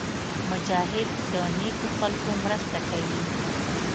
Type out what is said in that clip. مجاهد د نېکو خلکو مرسته کوي.